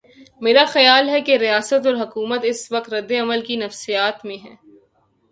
میرا خیال ہے کہ ریاست اور حکومت اس وقت رد عمل کی نفسیات میں ہیں۔